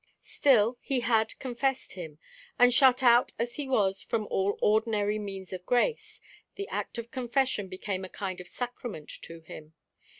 Still, he had confessed him. And shut out as he was from all ordinary "means of grace," the act of confession became a kind of sacrament to him.